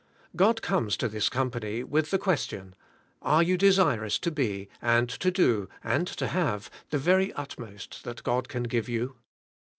God comes to this company with the question. Are you desirous to be, and to do, and to have, the very ut most that God can give you